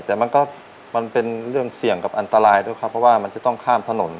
แต่มันก็มันเป็นเรื่องเสี่ยงกับอันตรายด้วยครับเพราะว่ามันจะต้องข้ามถนน